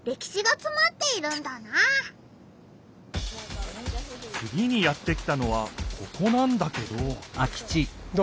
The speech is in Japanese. つぎにやって来たのはここなんだけどどう？